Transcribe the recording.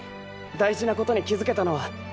大事なことに気づけたのは。